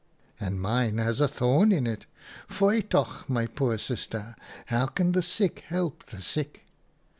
" 'And mine has a thorn in it. Foei toch, my poor sister! How can the sick help the sick